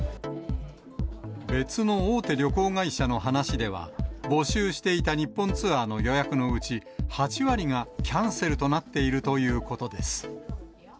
別の大手旅行会社の話では、募集していた日本ツアーの予約のうち、８割がキャンセルとなっているということです。